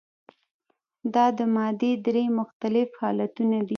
دا د مادې درې مختلف حالتونه دي.